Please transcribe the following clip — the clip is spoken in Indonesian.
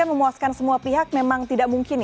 memuaskan semua pihak memang tidak mungkin